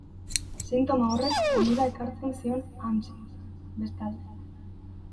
Sintoma horrek onura ekartzen zion Hansi, bestalde.